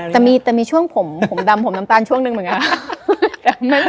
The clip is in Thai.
แต่มีช่วงผมดำผมน้ำตาลช่วงหนึ่งเหมือนกัน